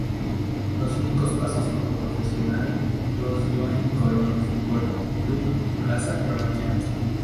Sus únicos pasos como profesional los dio en Colón Fútbol Club y Plaza Colonia.